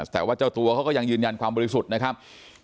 แต่ว่าเจ้าตัวเขาก็ยังยืนยันความบริสุทธิ์นะครับ